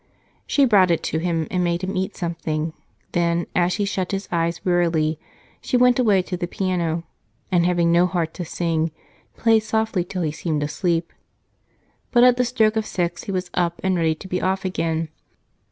She brought it to him and made him eat something; then, as he shut his eyes wearily, she went away to the piano and, having no heart to sing, played softly till he seemed asleep. But at the stroke of six he was up and ready to be off again.